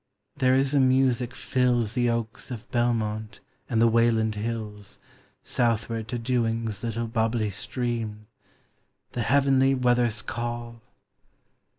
There is a music tills The oaks of Belmont and the Waylnnd hilli Southward to I Swing's little bubblj stream, The heavenly weather's call*.